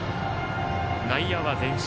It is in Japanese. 内野は前進。